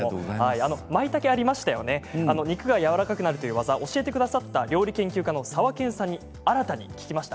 まいたけで肉がやわらかくなるという技を教えてくださった料理研究家のさわけんさんに聞きました。